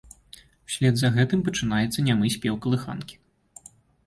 Услед за гэтым пачынаецца нямы спеў калыханкі.